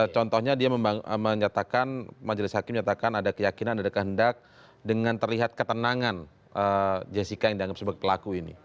contohnya dia menyatakan majelis hakim menyatakan ada keyakinan ada kehendak dengan terlihat ketenangan jessica yang dianggap sebagai pelaku ini